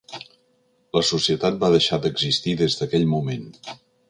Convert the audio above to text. La societat va deixar d'existir des d'aquell moment.